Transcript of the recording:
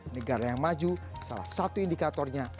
negara yang maju salah satu indikatornya